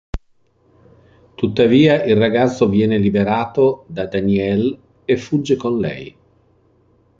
Tuttavia il ragazzo viene liberato da Danielle e fugge con lei.